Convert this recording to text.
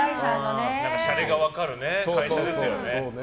シャレが分かる会社ですよね。